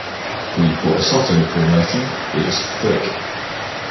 The Borsato Formation is thick.